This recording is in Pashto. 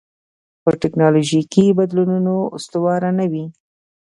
پر ټکنالوژیکي بدلونونو استواره نه وي.